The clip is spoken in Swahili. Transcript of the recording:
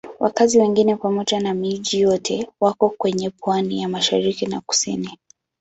Wakazi wengi pamoja na miji yote wako kwenye pwani ya mashariki na kusini.